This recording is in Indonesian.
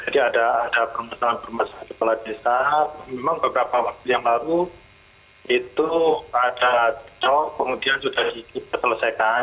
jadi ada permasalahan pemilihan kepala desa memang beberapa waktu yang lalu itu ada jok kemudian sudah diselesaikan